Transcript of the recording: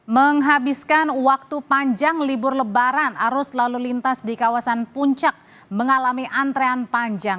menghabiskan waktu panjang libur lebaran arus lalu lintas di kawasan puncak mengalami antrean panjang